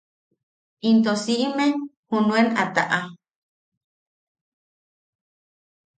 Into si’ime junen a ta’a.